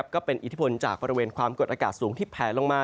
ก็เป็นอิทธิพลจากบริเวณความกดอากาศสูงที่แผลลงมา